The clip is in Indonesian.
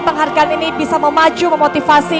penghargaan ini bisa memacu memotivasi